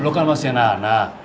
lo kan masih anak anak